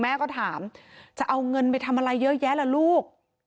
แม่ก็ถามจะเอาเงินไปทำอะไรเยอะแยะล่ะลูก